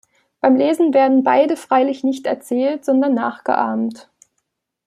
Beim Lesen werden beide freilich nicht erzählt, sondern nachgeahmt.